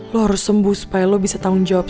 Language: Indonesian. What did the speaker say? lo harus sembuh supaya lo bisa tanggung jawab